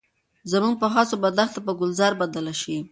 زموږ په هڅو به دښته په ګلزار بدله شي.